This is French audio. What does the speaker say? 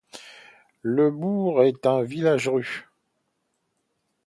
Le bourg est un village-rue.